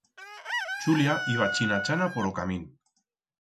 Chulia iba china-chana por o camín.